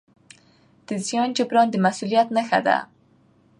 د زیان جبران د مسؤلیت نښه ده.